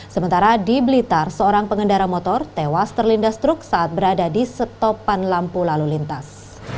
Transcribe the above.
sementara di blitar seorang pengendara motor tewas terlindas truk saat berada di setopan lampu lalu lintas